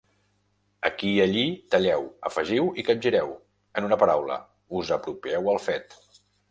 Aquí i allí talleu, afegiu i capgireu; en una paraula: us apropieu el fet